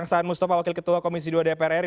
pak saan mustafa wakil ketua komisi dua dpr ri